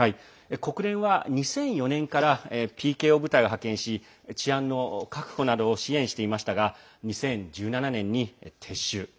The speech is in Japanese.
国連は２００４年からＰＫＯ部隊を派遣し治安の確保などを支援していましたが２０１７年に撤収。